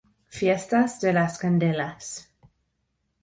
Fiestas de las Candelas.